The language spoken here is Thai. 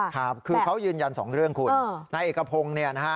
ครับคือเขายืนยันสองเรื่องคุณนายเอกพงศ์เนี่ยนะฮะ